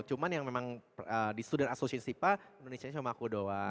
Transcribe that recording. cuma yang memang di student association sipa indonesia nya cuma aku doang